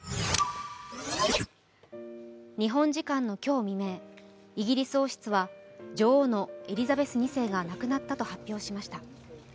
日本時間の今日未明、イギリス王室は女王のエリザベス２世が亡くなったと発表しました。